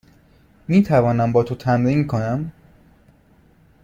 می توانم با تو تمرین کنم؟